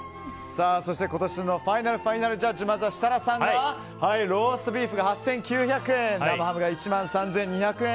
そして今年のファイナルジャッジ設楽さんがローストビーフが８９００円生ハムが１万３２００円。